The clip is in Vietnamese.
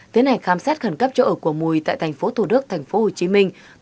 tiến hành khám xét khẩn cấp chỗ ở của mùi tại tp thủ đức tp hcm